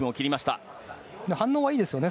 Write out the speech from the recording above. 反応はいいですね。